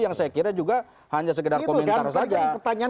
yang saya kira juga hanya sekedar komentar saja